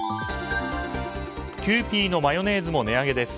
キユーピーのマヨネーズも値上げです。